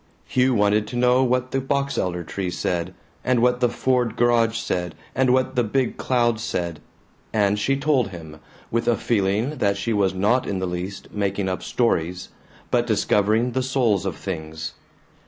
Hugh wanted to know what the box elder tree said, and what the Ford garage said, and what the big cloud said, and she told him, with a feeling that she was not in the least making up stories, but discovering the souls of things.